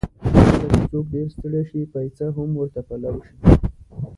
کله چې څوک ډېر ستړی شي، پېڅه هم ورته پلاو شي.